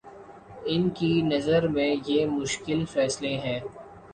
ان کی نظر میں یہ مشکل فیصلے ہیں؟